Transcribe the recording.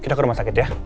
kita ke rumah sakit ya